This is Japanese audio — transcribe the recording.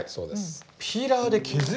ピーラーで削る？